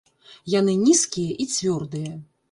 Яны нізкія і цвёрдыя.